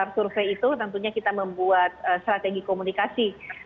dari dasar survei itu tentunya kita membuat strategi komunikasi